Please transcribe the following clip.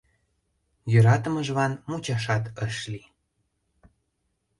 Йӧратымыжлан мучашат ыш лий.